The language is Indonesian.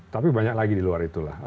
tapi banyak lagi di luar itulah